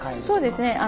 そうですね。